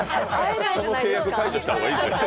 その契約解除した方がいいです。